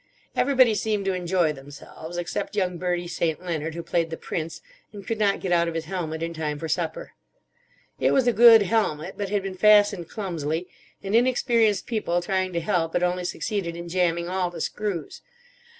Everybody seemed to enjoy themselves, except young Bertie St. Leonard, who played the Prince, and could not get out of his helmet in time for supper. It was a good helmet, but had been fastened clumsily; and inexperienced people trying to help had only succeeded in jambing all the screws.